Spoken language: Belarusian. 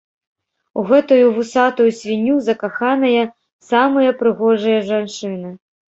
У гэтую вусатую свінню закаханыя самыя прыгожыя жанчыны.